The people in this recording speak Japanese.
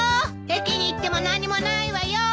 駅に行っても何もないわよ。